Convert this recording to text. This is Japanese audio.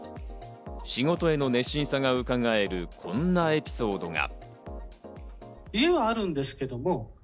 仕事への熱心さがうかがえるこんなエピソードが。